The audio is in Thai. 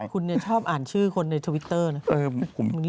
คุณชอบอ่านชื่อคนในทวิตเตอร์นะ